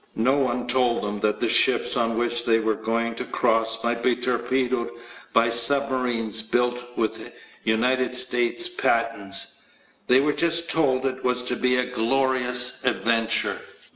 No one told them that the ships on which they were going to cross might be torpedoed by submarines built with United States patents. They were just told it was to be a "glorious adventure."